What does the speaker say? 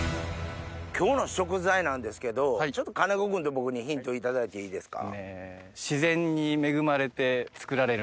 今日の食材なんですけどちょっと金子君と僕にヒント頂いていいですか？